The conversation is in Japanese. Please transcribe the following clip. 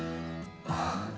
ああ。